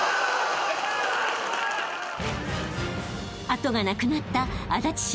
［後がなくなった足立新田高校］